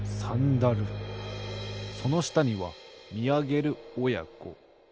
そのしたにはみあげるおやこ。